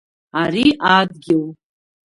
Ари адгьыл…